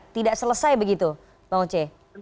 tidak selesai begitu bang oce